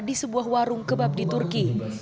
di sebuah warung kebab di turki